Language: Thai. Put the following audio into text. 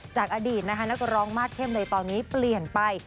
จากอดีตนะคะนักร้องมาสเข้มเลยตอนนี้เปลี่ยนไป